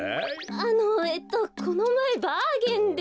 あのえっとこのまえバーゲンで。